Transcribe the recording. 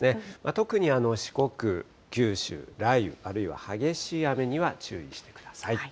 特に四国、九州、雷雨あるいは激しい雨には注意してください。